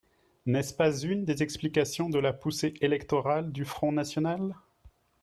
N’est-ce pas une des explications de la poussée électorale du Front national?